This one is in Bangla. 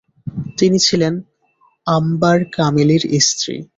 তিনি ছিলেন আম্বার কামিলির স্ত্রী।